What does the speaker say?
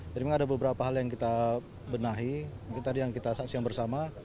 jadi memang ada beberapa hal yang kita benahi mungkin tadi yang kita saksikan bersama